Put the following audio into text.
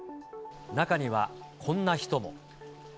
中にはこんな人も。